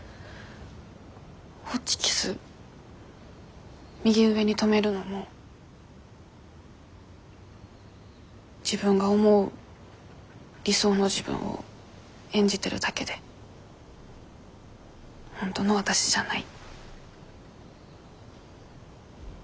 ホチキス右上に留めるのも自分が思う理想の自分を演じてるだけで本当のわたしじゃない。